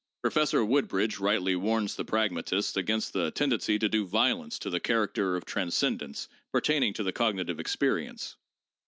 Professor Woodbridge rightly warns the pragmatists against the tendency to do violence to the character of transcendence pertaining to the cognitive experience.